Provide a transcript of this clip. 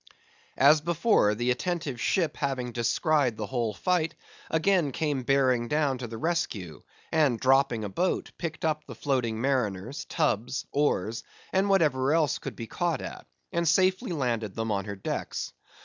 As before, the attentive ship having descried the whole fight, again came bearing down to the rescue, and dropping a boat, picked up the floating mariners, tubs, oars, and whatever else could be caught at, and safely landed them on her decks.